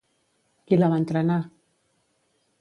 Qui la va entrenar?